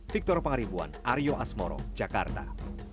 victor pangaribuan aryo asmoro jakarta